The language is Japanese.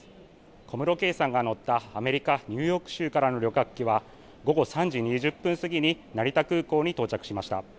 小室圭さんが乗ったアメリカ・ニューヨーク州からの旅客機は、午後３時２０分過ぎに成田空港に到着しました。